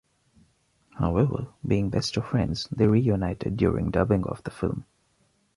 However, being best of friends, they re-united during dubbing of the film.